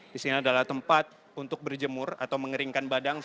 di sini adalah tempat untuk berjemur atau mengeringkan badang